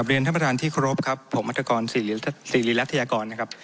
กับเรียนท่านประทานที่โครบครับผมมัธกรสี่หลีสี่หลีรัฐยากรนะครับ